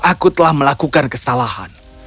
aku telah melakukan kesalahan